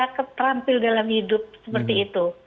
untuk bisa terampil dalam hidup seperti itu